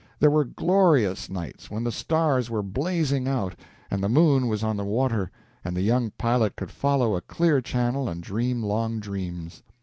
There were glorious nights when the stars were blazing out, and the moon was on the water, and the young pilot could follow a clear channel and dream long dreams.